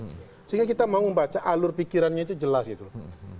sehingga kita mau membaca alur pikirannya itu jelas gitu loh